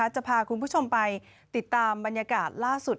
จะพาคุณผู้ชมไปติดตามบรรยากาศล่าสุด